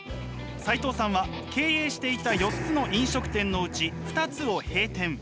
齋藤さんは経営していた４つの飲食店のうち２つを閉店。